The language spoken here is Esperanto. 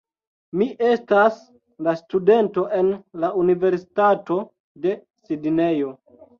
Mi estas la studento en la Universitato de Sidnejo